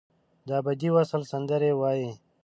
دابدي وصل سندرې وایې